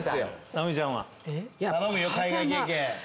頼むよ海外経験。